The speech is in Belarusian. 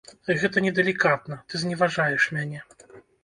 Гэта недалікатна, ты зневажаеш мяне.